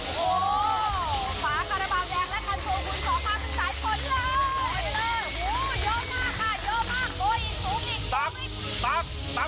ขนมหน้าค่ะกลิ่นถุกเลยค่ะ